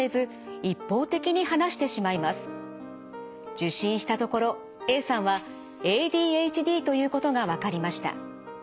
受診したところＡさんはＡＤＨＤということがわかりました。